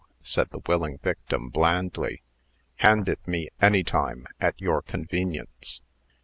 said the willing victim, blandly. "Hand it me any time, at your convenience."